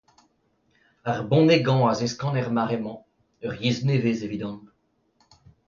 Ar bonegañ a zeskan er mare-mañ : ur yezh nevez eo evidon.